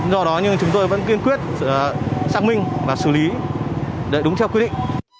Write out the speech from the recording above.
do đó nhưng chúng tôi vẫn kiên quyết xác minh và xử lý đúng theo quy định